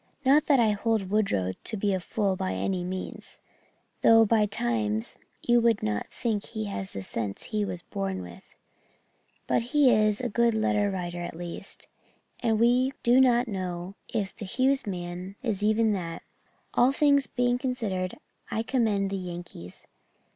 "Not that I hold Woodrow to be a fool by any means, though by times you would not think he has the sense he was born with. But he is a good letter writer at least, and we do not know if the Hughes man is even that. All things being considered I commend the Yankees.